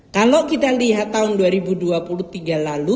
kalau kita lihat tahun dua ribu dua puluh tiga lalu